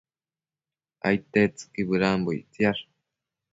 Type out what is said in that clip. Aidtetsëqui bëdambo ictsiash